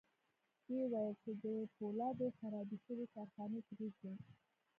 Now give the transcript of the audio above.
ويې ويل چې د پولادو خرابې شوې کارخانې پرېږدي.